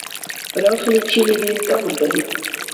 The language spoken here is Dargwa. Рахли чилирил тӀамадариб: